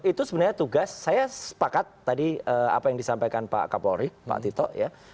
itu sebenarnya tugas saya sepakat tadi apa yang disampaikan pak kapolri pak tito ya